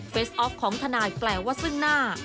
ออฟของทนายแปลว่าซึ่งหน้า